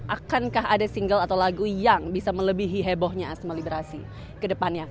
akankah ada single atau lagu yang bisa melebihi hebohnya asmali brasi kedepannya